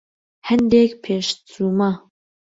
هەندێک پێشچوومە.